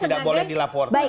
tidak boleh dilaporkan